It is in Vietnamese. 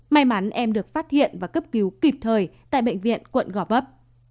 may mắn em được phát hiện và cấp cứu kịp thời tại bệnh viện quận gò vấp